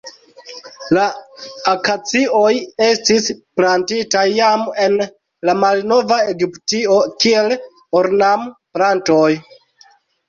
La akacioj estis plantitaj jam en la malnova Egiptio kiel ornamplantoj.